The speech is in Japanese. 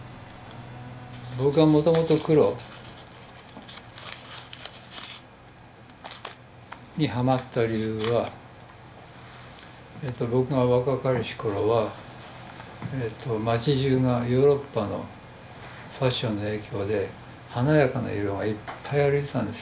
僕がもともと黒にはまった理由は僕が若かりし頃は街じゅうがヨーロッパのファッションの影響で華やかな色がいっぱい歩いてたんです。